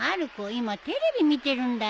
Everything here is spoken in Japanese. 今テレビ見てるんだよ。